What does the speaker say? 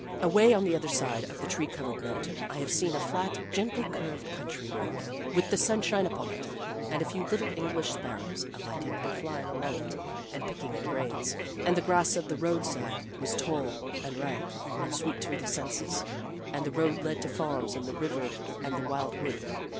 Away on the other side of the tree covered mountain I have seen a flat, gently curved, country road with the sunshine upon it and a few little English sparrows alighting and flying along it and picking at grains. And the grass by the road side was tall and rank and sweet to the senses, and the road led to farms and the river and the wildwood.